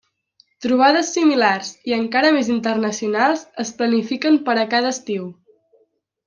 Trobades similars i encara més internacionals es planifiquen per a cada estiu.